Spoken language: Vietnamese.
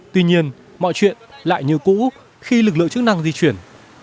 tuy nhiên mọi chuyện lại như cũ khi lực lượng chức năng di chuyển